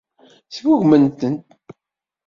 Sgugment-ten.